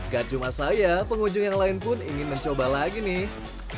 gak cuma saya pengunjung yang lain pun ingin mencoba lagi nih